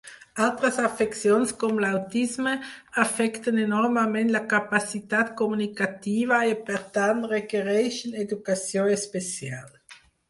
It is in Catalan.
Altres afeccions com l'autisme afecten enormement la capacitat comunicativa i per tant requereixen educació especial.